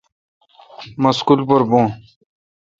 مہ سکول پر بھوں۔